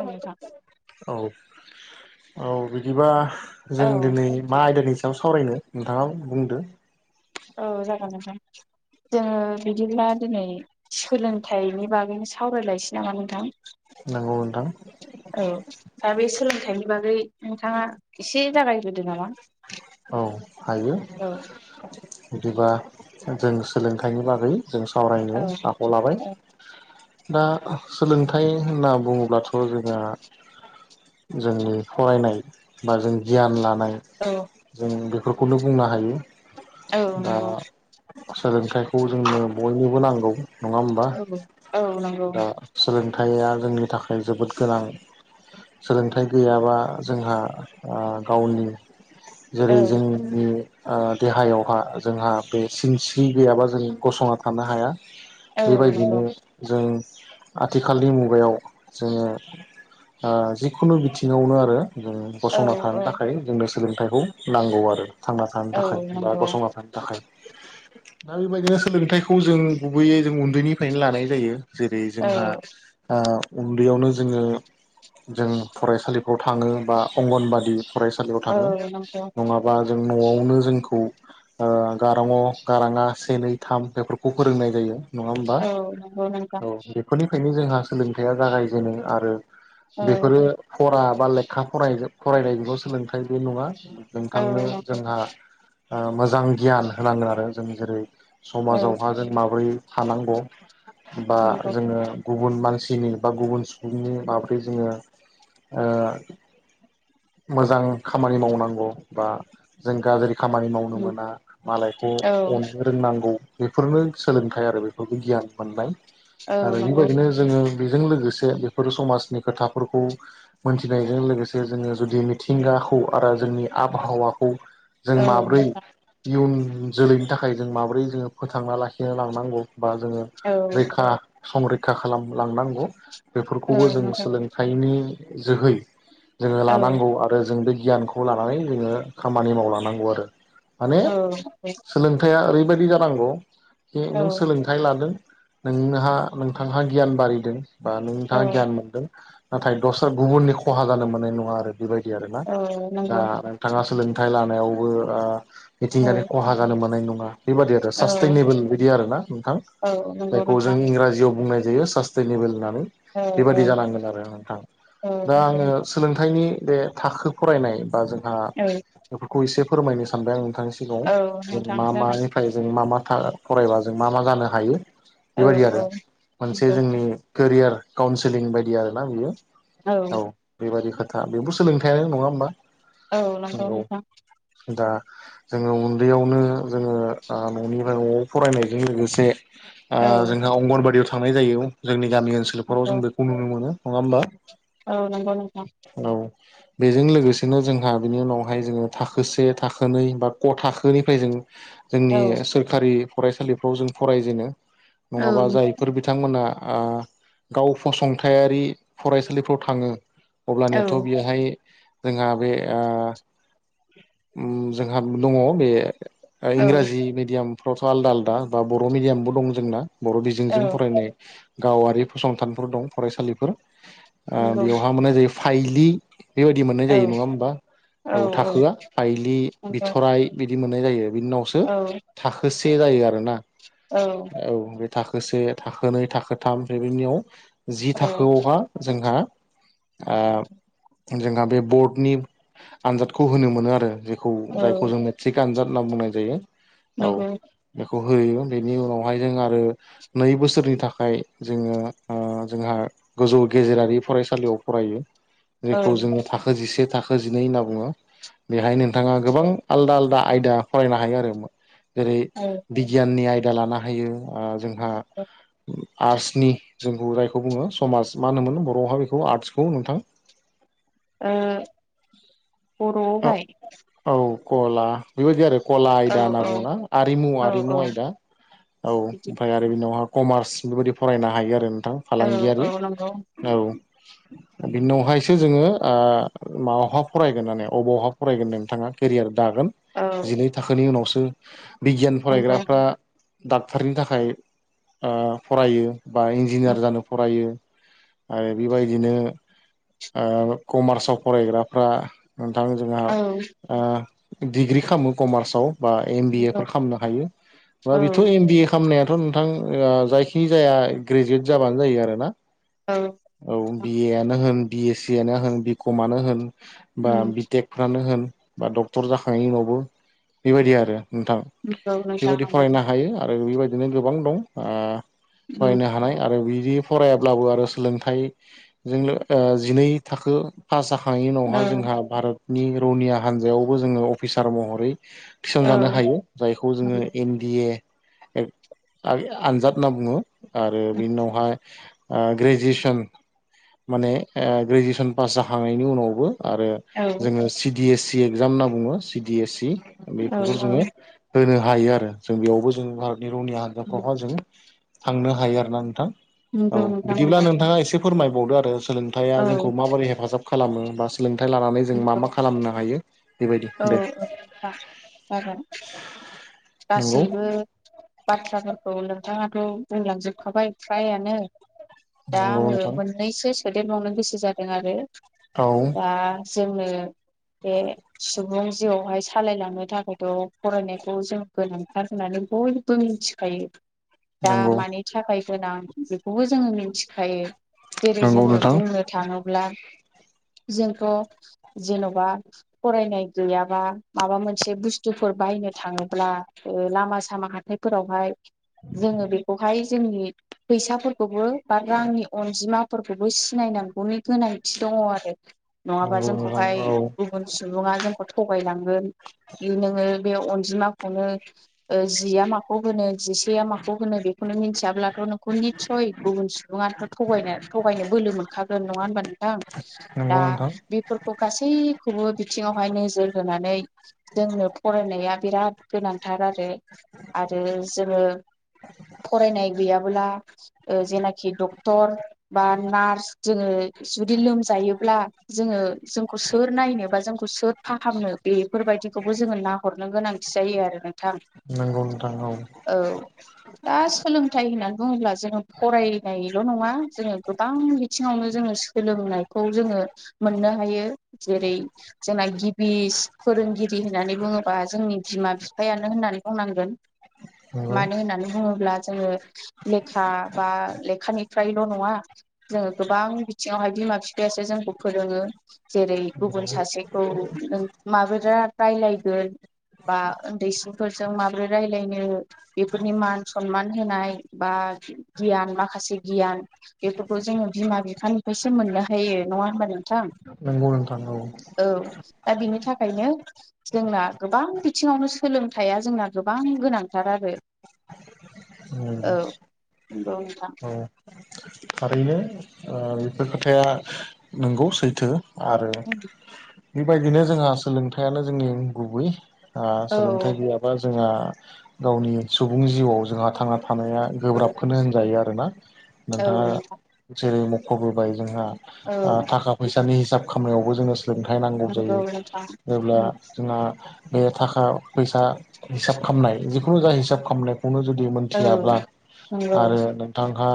औ नोंथां औ औ बिदिबा औ जों दिनै मा आयदानि सायाव सावरायनो नोंथांङा बुंदो? औ जागोन नां जोंङो बिदिब्ला दिनै सोलोंथाइनि बागैनो सावरायलायनोसै नामा नोंथां? औ नोंथां औ दा बे सोलोंथाइनि बागै नोंथांङा एसे जागायगोरदो नामा? औ हायो औ बिदिबा जों सोलोंथाइनि बागै जों सावरायनो औ आखायाव लाबाय। औ दा सोलोंथाइ होनना बुंङोब्लाथ' जोंहा जोंनि फरायनाय बा जों गियान लानाय नाय औ जों बेफोरखौनो बुंनो हायो । औ नंगौ सोलोंथाइखौ जोंनो बयनोबो नांगौ नंङा होनबा औ औ नंगौ दा सोलों थाया जोंनि थाखाय जोबोद गोनां सोलोंथाइ गैयाबा जोंहा ओ गावनि जेरै औ जोंनि ओ देहायावहा जोंहा बे सिनस्रि गैयाबा जों गसंना थानो हाया औ बेबायदिनो नंगौ जों आथिखालनि मुगायाव जोंङो ओ जिखुनु बिथिंङावनो आरो जों औ गसंना थानो औ थाखाय जोंनो सोलोंथाइखौ नांगौ आरो थांना थानो औ थाखाय बा नंगौ गसंना थानो थाखाय दा बेबायदिनो सोलोंथायाइखौ जों गुबैयै जों उन्दैनिफ्रायनो लानाय जायो । जेरै औ जोंहा ओ उन्दैयावनो जोंङो जों फरायसालिफ्राव थांङो बा अंगनबादि फरायसालियाव औ थांङो नंगौ नंङाबा जों न'आवनो जोंखौ ओ गारां अ गारां आ से नै थाम बेफोरखौ फोरोंनाय जायो। नङा होमबा औ नंगौ नोंथां औ बेफोरनि बेनो जोंहा सोलोंथाइया जागायजेनो आरो औ बेफोरो फरा बा लेखा फराय फरायनायनिल' सोलोंथाइ बे नङा। औ नोंथांनो नंगौ जोंहा ओ मोजां गियान होनांगोन आरो जों जेरै औ समाजावहा जों माबोरै थानांगौ बा नंगौ जोंङो गुबुन मानसि नि बा गुबुन सुबुंनि माब्रै जोंङो ओ मोजां खामानि मावनांगौ बा जों गाज्रि खामानि मावनो मोना मालायखौ औ अननो रोंनांगौ। बेफोरनो सोलोंथाइ आरो बेफोरबो गियान मोननाय औ आरो नंगौ बेबायदिनो जोंङो बेजों लोगोसे बेफोर समाजनि खोथाफोरखौ मोनथिनायजों लोगोसे जोंङो जुदि मिथिंगाखौ आरो जोंनि आबहावाखौ जों औ माब्रै इयुन जोलैनि थाखाय जों माबोरै जोंओ फोथांना लाखिनो लांनांगौ बा जोंङो औ रैखा। संरैखा खालामलांनांगौ औ बेफोरखौबो जों नोंथां सोलोंथाइनि। जोहै। औ लांगौ आरो जों बे गियानखौ लानानै जोंओ खामानि मावलांनांगौ आरो। माने औ सोलोंथाइया ओरैबायदि जानांगौ जि नों औ सोलोंथाइ लादों नोंहा नोंथांहा गियान बारिदों बा नों औ नोंथाङा गियान मोनदों। नाथाय दस्रा गुबुननि खहा जानो मोननाय नङा आरो बेबायदि आरोना। औ दा नंगौ नोंथां नोंथाङा खथाइ लानायावबो ओ मिथिंगानि औ खहा जानो मोननाय नङा। बेबादि आरो औ सास्टेनेबोल बिदि आरो ना नोंथां औ नंगौ जायखौ जों नोंथां इंराजियाव बुंनाय बेयो सास्टेनबोल होननानै औ औ बेबादि जानांगोन आरो नोंथां। औ दा नंगौ आरो सोलोंथायनि बे थाखो फरायनाय बा जोंहा औ बेफोरखौ एसे फोरमायनो सानबाय आं थांखि दं औ जों नोंथां मा जागोन मानिफ्राय जों मा मा था फरायबा जों मा मा जानो हायो औ बेबायदि आरो मोनसे जोंनि केरियार काउन्सिलिं बायदि आरोना बियो औ बेबायदि खोथा बेबो सोलोंथायानो नङा होमा औ नंथौ नोंथां दा जोङो उन्दैयावनो जोङो ओ न'निफ्राय न'आव फरायनायजों लोगोसे ओ औ जोंहा अंगनबादियाव थांनाय जायो जोंनि गामि ओनसोलफोराव नंगौ जों बेखौ नुनो मोनो नङा होमबा औ नंगौ नोंथां औ। बेजों लोगोसेनो जोंहा बिनि उनावहाय जोङो थाखो से थाखोनै बा क' थाखोनिफ्राय जों औ जोंनि सोरखारि फरायसालिफ्राव जों फरायजेनो औ नङाबा जायफोर बिथांमोना ओ गाव फसंथायारि फरायसालिफ्राव थाङो औ अब्लानियाथ' बेहाय जोंहा बे ओ ओम जोंहा दङ बे ओ औ इंराजि मिडियामफ्रावथ' आलदा आलदा बा बर' मिडियामबो दं जोंना बर' औ बिजोंजों फरायनाय गावारि फसंथानफोर दं फरायसालिफोर ओ नंगौ बेआवहा मोननाय जायो फाइलि बेबायदि मोननाय औ जायो नङा होमबा औ थाखोआ फायलि नंगौ बिथराइ बिदि मोननाय जायो। बि उनावसो थाखोसे जायो आरोना औ औ बे थाखो से थाखो नै थाखो थाम ओमफ्राय बेनियाव जि औ थाखोआवहा जोंहा ओ जोंहा बे बर्डनि आनजादखौ होनो मोनो आरो खौ औ जायखौ जों मेट्रिक आनजाद होनना बुंनाय जायो नंगौ। खौ होयो बेनि उनावहाय जों आरो नै बोसोरनि थाखाय जोङो ओ जोंहा गोजौ गेजेरारि फरायसालियाव फरायो औ जेखौ जोङो थाखो जिसे थाखो जिनै होनना बुङो बेहाय नोंथाङा गोबां आलदा आलदा आयदा फरायनो हायो आरो जेरै औ बिगियाननि आयदा लानो हायो ओ जों ओ आर्टसनि जोंखौ जायखौ बुङो समाज मा होनोमोन बर'आवहा बेखौ आर्टसखौ नोंथां ओ बर'आवहाय गला बेबायदि आरो कला औ आयदा होनना औ बुङोना आरिमु औ आरिमु औ आयदा औ बिदि ओमफाय आरो बिनावहा कमार्स बेबायदि फरायनो हायो आरो नोंथां औ फालांगियारि औ नंगौ औ बिनि उनावहायसो जोङो ओ मायावहा फरायगोन दानियाव अबावहा फरायगोन नोंथाङा केरियार दागोन औ जिनै थाखोनि उनावसो बिगियान नंगौ फरायग्राफ्रा डक्ट'रनि थाखाय ओ फरायो। बा इन्जिनियार उम जानो फरायो। आरो बेबायदिनो ओ कमार्सआव फरायग्राफ्रा नोंथां जोंहा औ ओ डिग्रि खालामो कमार्सआव बा एम बि ए नंगौ फोर खालामनो हायो बा औ बेथ' एमबिए खालामनाया दाथ' नोंथां ओ जायखिनि जाया ग्रेजुवेट जाबानो जायो आरो ना औ औ बिए आनो होन बिए सिआनो होन बि कमानो होन उम बा बि टेकफ्रानो होन बा डक्टर जाखांनायनि उनावबो बेबायदि आरो नोंथां नंगौ नोंथां बेबायदि नंगौ फरायनो हायो। आरो बेबायदिनो गोबां दं ओ उम बायनो हानाय आरो बि दि फरायाब्लाबो आरो सोलोंथाइ जोंलो ओ जिनै थाखो पास जाखांनायनि औ उनावहा जोंहा भारतनि रौनिया हान्जायावबो जोङो अफिसार महरै औ थिसनजानो हायो जायखौ जोङो नंगौ एन डि ए ओ अगेन आनजाद होनना बुङो आरो उम बिनि उनावहाय ओ ग्रेजुवेसन माने ग्रेजुवेसन पास जाखांनायनि उनावबो आरो औ जोङो C D S C exam होनना बुङो सिडि एस सि औ बेफोरखौ औ जोङो होनो हायो आरो जों बेयावबो जों भारतनि रौनि उम हान्जाफ्रावहा जों थांनो हायो आरोना नोंथां औ नंगौ नोंथां बिदिब्ला नंगौ नोंथाङा एसे फोरमायबावदो आरो सोलोंथाइया औ जोंखौ माबोरै हेफाजाब खालामो बा सो थाइ लानानै जों मा नंगौ मा खालामनो हायो बेबायदि दे बागाद नंगौ गासैबो बाथ्राफोर औ नोंथाङाथ' बुंलांजोबखाबाय फ्रायानो दा नंगौ आङो नोंथां मोननैसो सो होदेर बावनो गोसो जादों आरो औ दा जोंङो बे सु बुं जिउआवहाय सालायलांनो थाखायथ' फरायनायखौ जों गोनांथार होननानै बयबो मिथिखायो दा नंगौ मानि थाखाय। गोनां बेखौबो जोङो मिथिखायो जेरै नंगौ जोङो नोंथां बुंनो थाङोब्ला। [inaudible] जोंथ' जेन'बा फरायनाय गैयाबा माबा मोनसे बुस्थुफोर बा। बुंनो थाङोबा ओ लामा सामा हाथाय फोरावहाय जोङो बेखौ हाय। जोंनि फैसाफोरखौबो बा रांनि अनजिमाफोरखौबो सिनायनांगौनि गोनांथि दं। दंङ आरो नङाबा नंगौ जोंखौहाय नोंथां औ गुबुन सुबुङा जोंखौ थगायलां। ओ दि नोंङो बे अनजिमाखौनो ओ जिया माखौ होनो। जिसेया माखौ होनो बेखौनो मिथियाब्लाथ' नोंखौ निसय गुबुन सुबुङाथ' थ थगायनो बो। बोलो मोनखागोन नङा होनबा नंगौ नोंथां । बिथिङावहाय नोजोर होनानै जोंनो फरायनाया बिराद गोनांथार आरो। रो आरो जोङो। फरायनाय गैयाबोला ओ जेनाखि डक्टर बा नार्स। जोङो जुदि लोमजायोब्ला जोङो जोंखौ सोर नायनोबा जोंखौ सोर। फाहामनो बेफोरबायदिखौबो जोङो नाहरनो गोनांथि जायो आरो ना। थां नंगौ नोंथां औ दा सोलोंथाइ होननानै। बुङोब्ला जोङो फरायनायल' नङा जोङो गोबां बिथिङावनो जोङो सोलोंनायखौ जोङो। मोननो हायो जेरै जोंना गिबि फोरोंगिरि होननानै बुङोबा जों। जोंनि बिमा बिफायानो होननानै बुंनांगोन। नंगौ मानो होननानै बुङोब्ला जोङो लेखा बा लेखानिफ्रायल' नङा। जोङो गोबां बिथिङावहाय बिमा बिफायासो जोंखौ फोरोङो जेरै नंगौ गुबुन सासेखौ। माबोला रायलायगोन बा। उन्दैसिनफोरजों माबोरै रायलायनो बेफोरनि मान सनमान होनाय बा। गियान माखासे गियान बेफोरखौ जोङो बिमा बिफानिफ्रायसो मोननो हायो नङा होनबा नोंथां। नोंगौ नोंथां औ। औ दा बिनि थाखायनो जोंना गोबां बिथिङावनो सो। सोलोंथाइया जोंना गोबां गोनांथार आरो। नंगौ औ नोंथां। औ थारैनो बेफोर ओ खोथाया नंगौ सैथो। आरो बेबायदिनो जोंहा सोलोंथायाइयानो जोंनि गुबै। ओ औ सोलोंथाइ गैयाबा जोंहा गावनि सुबुं जिउआव जोंहा थांना था। थानाया गोब्राबखौनो होनजायो आरोना औ नोंथाङा नोंथां जेरै मख'बोबाय। जोंहा ओ औ थाखा फैसानि हिसाब खामनायावबो जोङो। जोंथाय नांगौ नंगौ जायो नोंथां । बे थाखा फैसा हिसाब खामनाय जिखु जा हिसाब खामनो। खौनो जुदि औ मोनथियाब्ला नंगौ आरो नोंथांहा।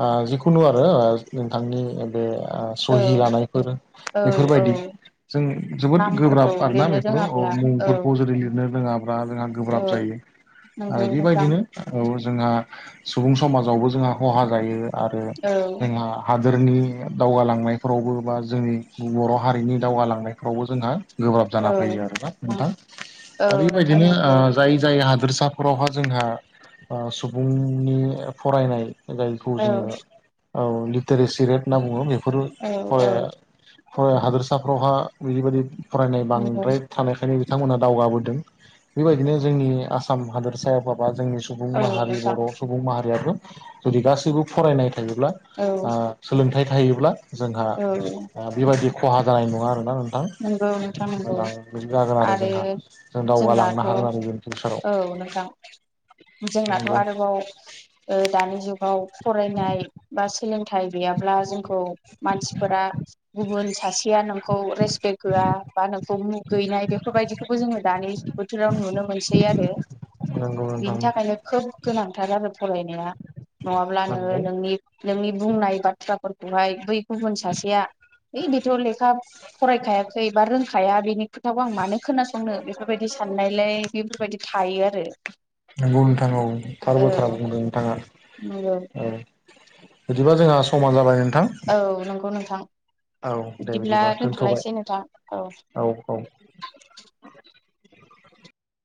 आ जिखुनु आरो ओ नोंथांनि बे। ओ औ सहि लानायफोर औ औ बेफोरबायदि। जों जोबोद नामफोरखौ गोब्राब आरोना लिरनो बेफोराव ओ रोङाब्ला औ मुंफोरखौ जेरै लिरनो रोङा। ब्रा जोंहा औ गोब्राब जायो नंगौ आरो नोंथां बेबायदिनो औ जोंहा। सुबुं समाजावबो जोंहा खहा जायो आरो औ जोंहा हा। दोरनि दावगालांनायफोरावबो बा जोंनि बर' हारिनि दावगालांनायफ्रावबो जोंहा। गोब्राब जाना फैयो आरो ना नोंथां औ दा नोंथां बेबायदिनो नंगौ ओ जाय-जाय हाद हादोरसाफोरावहा जोंहा ओ सुबुंनि फरायनाय खौ औ जोङो औ लिटारेसि रेट होनना बुङो बेफोरो औ औ फराय फ हादोरसाफ्रावहा बिदिबायाददि फरायनाय नंगौ बांद्राय थानायखायनो बिथांमोना दावगाबोदों बेबायदिनो जोंनि आसाम हादोरसाया बबा जोंनि सुबुं औ माहारि नोंथां बर' सुबुं माहारियाबो जुदि गासैबो फरायनाय थायोब्ला औ ओ सोलोंथाइ थायोब्ला जोंहा औ बेबायदि खहा जानाय नङा आरो ना नों थां नंगौ नोंथां नंगौ मोजां बिदि जागोन आरो जोंहा जों दावगालांनो हागोन आरो बेनि फिउचाराव नोंगौ नोंथां जोंनाथ' आरोबाव ओ दानि जुगाव फरायनाय बा सोलोंथाइ गैयाब्ला जोंखौ मानसिफोरा गुबुन सासेया नोंखौ पेक होआ बा नोंखौ मुगैनाय बेफोरबायदिखौबो जोङो दानि बोथोराव नुनो मोनसै आरो नंगौ नोंथां बिनि थाखायनो खोब गोनांथार आरो फरायनाया नङाब्ला नोङो नंगौ नोंनि नोंनि बुंनाय बाथ्राफोरखौहाय बै गुबुन सासेया ओइ बेथ' लेखा फरायखायाखै बा रोंखाया बेनि खोथाखौ आं मानो खोनासंनो बेफोरबायदि साननायलाय बेफोर बेफोरबायदि थायो आरो नंगौ नोंथां औ थार बाथ्राखौनो बुंदों नोंथाङा नंगौ औ बिदिबा जोंहा समा जाबाय नोंथां औ नंगौ नोंथां औ दे बिदिब्ला बिदिबा दोनथ'बाय दोनथ'लायसै नोंथां औ